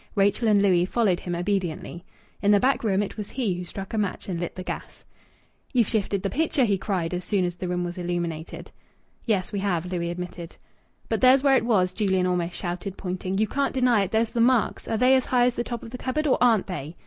Rachel and Louis followed him obediently. In the back room it was he who struck a match and lighted the gas. "You've shifted the picture!" he cried, as soon as the room was illuminated. "Yes, we have," Louis admitted. "But there's where it was!" Julian almost shouted, pointing. "You can't deny it! There's the marks. Are they as high as the top of the cupboard, or aren't they?"